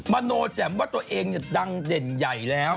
โนแจ่มว่าตัวเองดังเด่นใหญ่แล้ว